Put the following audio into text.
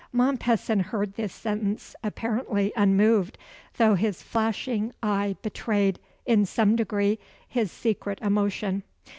Mompesson heard this sentence apparently unmoved, though his flashing eye betrayed, in some degree, his secret emotion.